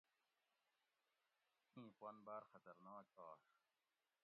اِیں پن باۤر خطرناک آش